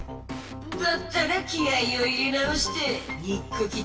だったら気合いを入れ直してにっくき